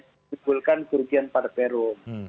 hitungkan kerugian pada perum